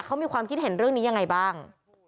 เขามีความคิดเห็นเรื่องนี้ยังไงบ้าง